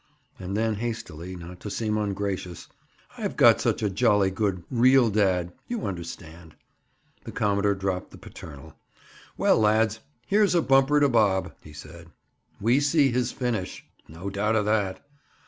And then hastily, not to seem ungracious: "I've got such a jolly good, real dad, you understand—" The commodore dropped the paternal. "Well, lads, here's a bumper to Bob," he said. "We see his finish." "No doubt of that."